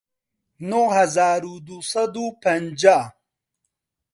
نۆ هەزار و دوو سەد و پەنجا